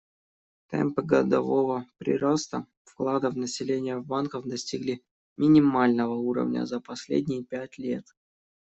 Темпы годового прироста вкладов населения в банках достигли минимального уровня за последние пять лет.